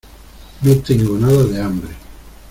No tengo nada de hambre.